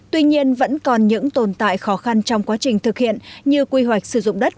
tuy nhiên vẫn còn những tồn tại khó khăn trong quá trình thực hiện như quy hoạch sử dụng đất